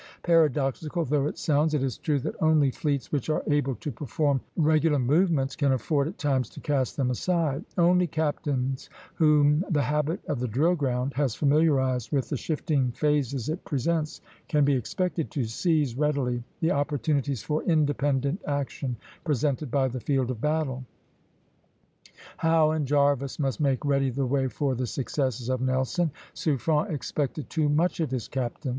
Paradoxical though it sounds, it is true that only fleets which are able to perform regular movements can afford at times to cast them aside; only captains whom the habit of the drill ground has familiarized with the shifting phases it presents, can be expected to seize readily the opportunities for independent action presented by the field of battle. Howe and Jervis must make ready the way for the successes of Nelson. Suffren expected too much of his captains.